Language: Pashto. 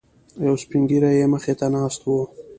یو سپینږیری یې مخې ته ناست و.